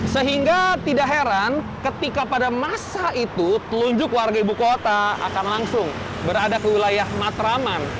sehingga tidak heran ketika pada masa itu telunjuk warga ibu kota akan langsung berada ke wilayah matraman